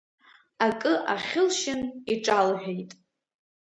Акы ахьылшьын, иҿалҳәеит.